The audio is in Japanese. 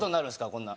こんな。